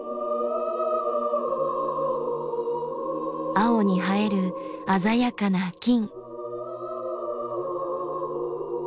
青に映える鮮やかな金。